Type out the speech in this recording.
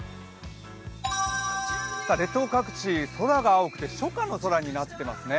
列島各地、空が青くて初夏の空になっていますね。